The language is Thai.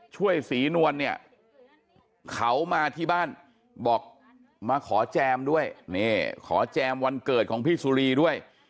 ศรีนวลเนี่ยเขามาที่บ้านบอกมาขอแจมด้วยนี่ขอแจมวันเกิดของพี่สุรีด้วย